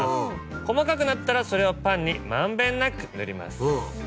細かくなったらそれをパンに満遍なく塗ります。